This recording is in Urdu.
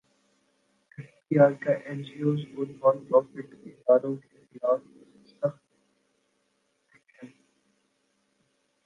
ایف بی رکا این جی اوز اور نان پرافٹ اداروں کیخلاف سخت ایکشن